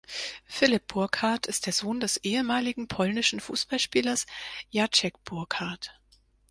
Filip Burkhardt ist der Sohn des ehemaligen polnischen Fußballspielers Jacek Burkhardt.